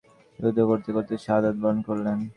যুদ্ধ করতে করতে শাহাদাত বরণ করলেন।